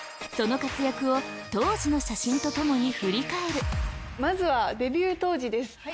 その活躍を当時の写真とともに振り返るまずはデビュー当時です。